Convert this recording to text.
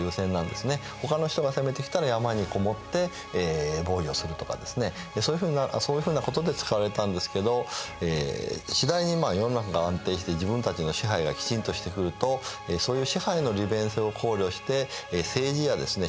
ほかの人が攻めてきたら山にこもって防御をするとかですねそういうふうなことで使われたんですけど次第に世の中が安定して自分たちの支配がきちんとしてくるとそういう支配の利便性を考慮して政治やですね